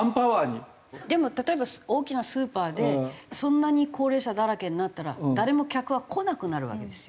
でも例えば大きなスーパーでそんなに高齢者だらけになったら誰も客は来なくなるわけですよ。